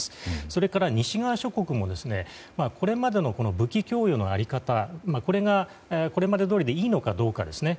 それから西側諸国もこれまでの武器供与の在り方これが、これまでどおりでいいのかどうかですね。